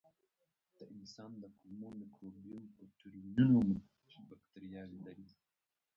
د انسان د کولمو مایکروبیوم په ټریلیونونو بکتریاوې لري.